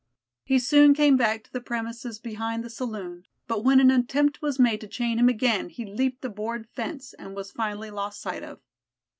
He soon came back to the premises behind the saloon, but when an attempt was made to chain him again, he leaped a board fence and was finally lost sight of.